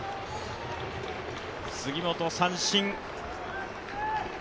杉本、三振。